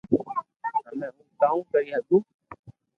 ھمي ھون ڪاو ڪري ھگو